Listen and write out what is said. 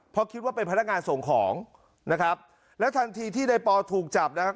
เพราะคิดว่าเป็นพนักงานส่งของนะครับแล้วทันทีที่ในปอถูกจับนะครับ